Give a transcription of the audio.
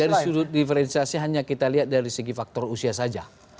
dari sudut diferensiasi hanya kita lihat dari segi faktor usia saja